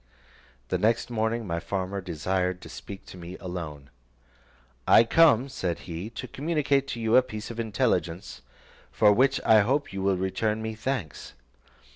The next morning my farmer desired to speak with me alone. "I come," said he, "to communicate to you a piece of intelligence, for which I hope you will return me thanks.